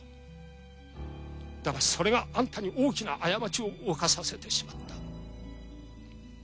だがそれがアンタに大きな過ちを犯させてしまった。